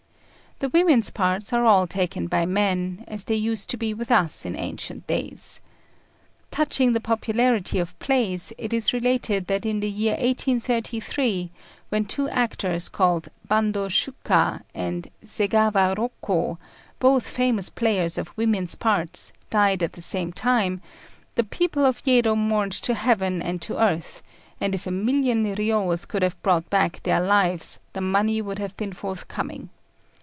The women's parts are all taken by men, as they used to be with us in ancient days. Touching the popularity of plays, it is related that in the year 1833, when two actors called Bandô Shuka and Segawa Rokô, both famous players of women's parts, died at the same time, the people of Yedo mourned to heaven and to earth; and if a million riyos could have brought back their lives, the money would have been forthcoming.